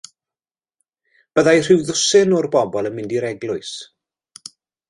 Byddai rhyw ddwsin o'r bobl yn mynd i'r eglwys.